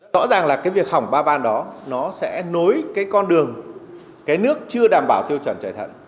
rõ ràng là cái việc hỏng ba van đó nó sẽ nối cái con đường cái nước chưa đảm bảo tiêu chuẩn chạy thận